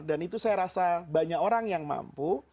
dan itu saya rasa banyak orang yang mampu